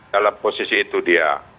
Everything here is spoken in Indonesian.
dalam posisi itu dia